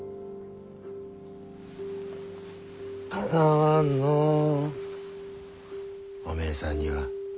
かなわんのうおめえさんには。